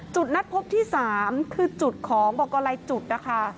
จุดนัดพบที่๓คือจุดของบอกกรลายจุดนะคะ